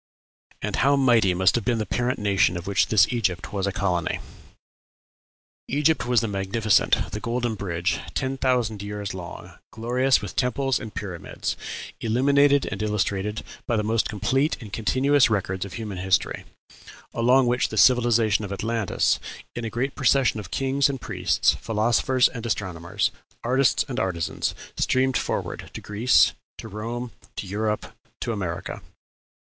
And how mighty must have been the parent nation of which this Egypt was a colony! Egypt was the magnificent, the golden bridge, ten thousand years long, glorious with temples and pyramids, illuminated and illustrated by the most complete and continuous records of human history, along which the civilization of Atlantis, in a great procession of kings and priests, philosophers and astronomers, artists and artisans, streamed forward to Greece, to Rome, to Europe, to America.